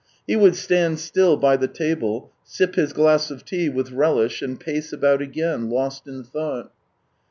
He would stand still by the table, sip his glass of tea with relish, and pace about again, lost in thought.